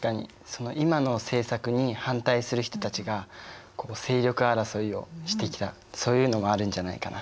その今の政策に反対する人たちが勢力争いをしてきたそういうのもあるんじゃないかな。